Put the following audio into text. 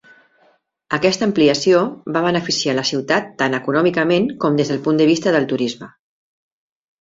Aquesta ampliació va beneficiar la ciutat tant econòmicament com des del punt de vista del turisme.